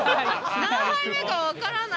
何杯目か分からない。